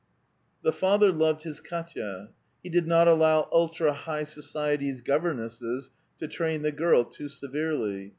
The father loved his Edtya ; he did not allow ultra high socicty's governesses to train the girl too severely.